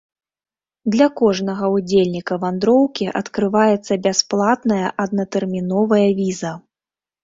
Для кожнага ўдзельніка вандроўкі адкрываецца бясплатная аднатэрміновая віза!